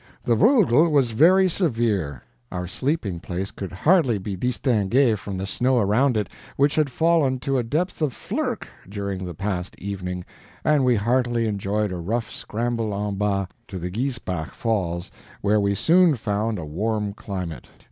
The WLGW was very severe; our sleeping place could hardly be DISTINGUEÉ from the snow around it, which had fallen to a depth of a FLIRK during the past evening, and we heartily enjoyed a rough scramble EN BAS to the Giesbach falls, where we soon found a warm climate.